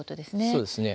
そうですね。